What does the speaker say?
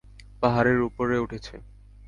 পাহাড়ের ওপরে উঠছে।